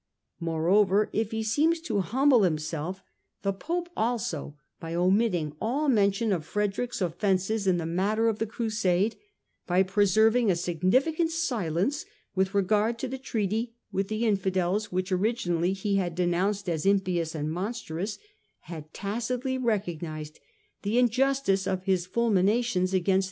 Moreover, if he seemed to humble himself, the Pope also, by omitting all mention of Frederick's offences in the matter of the Crusade, by preserving a significant silence with regard to the treaty with the Infidels which originally he had denounced as impious and monstrous, had tacitly recognised the injustice of his fulminations against the Crusader.